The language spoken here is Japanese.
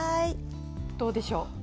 どうでしょう？